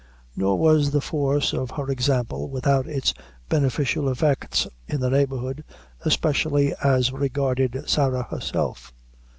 Nor was the force of her example without its beneficial effects in the neighborhood, especially as regarded Sarah herself.